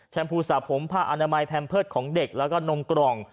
พูสระผมผ้าอนามัยแพมเพิร์ตของเด็กแล้วก็นมกล่อง